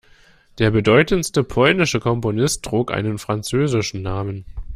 Der bedeutendste polnische Komponist trug einen französischen Namen.